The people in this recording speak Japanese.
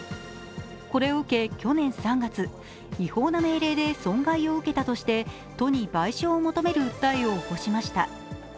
これを受け去年３月違法な命令で損害を受けたとして都に賠償を求める訴えを起こしました。